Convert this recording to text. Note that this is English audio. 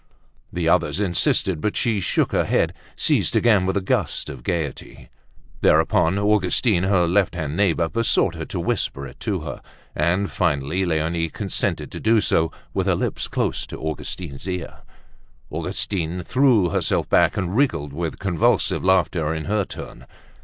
The others insisted, but she shook her head, seized again with a gust of gaiety. Thereupon Augustine, her left hand neighbor, besought her to whisper it to her; and finally Leonie consented to do so with her lips close to Augustine's ear. Augustine threw herself back and wriggled with convulsive laughter in her turn.